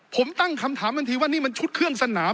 ผมตั้งคำถามทันทีว่านี่มันชุดเครื่องสนาม